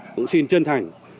cũng xin chân thành